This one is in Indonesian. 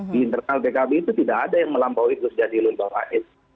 di internal bkb itu tidak ada yang melampaui gus zilul bawaid